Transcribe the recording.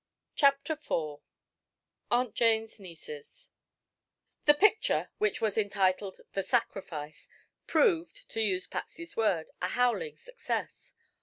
CHAPTER IV AUNT JANE'S NIECES The picture, which was entitled "The Sacrifice," proved to use Patsy's words "a howling success."